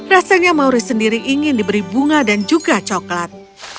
rasanya mauri sendiri ingin diberi bunga dan juga coklat